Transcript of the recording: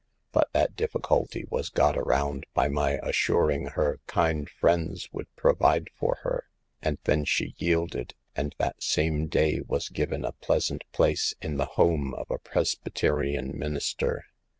But that difficulty was got around by my assuring her kind friends would provide for her; and then she yielded, and that same day was given a pleasant place in the home of a Presbyterian minister.